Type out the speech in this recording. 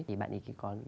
thì bạn ấy có